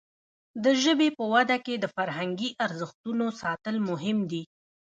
د ژبې په وده کې د فرهنګي ارزښتونو ساتل مهم دي.